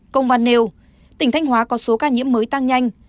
công văn nêu tỉnh thanh hóa có số ca nhiễm mới tăng nhanh